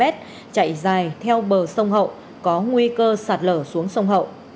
chạy dài theo bờ sông hậu có nguy cơ sạt lở xuống sông hậu